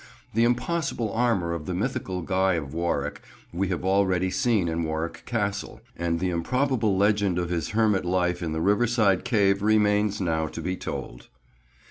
The impossible armour of the mythical Guy of Warwick we have already seen in Warwick Castle, and the improbable legend of his hermit life in the riverside cave remains now to be told.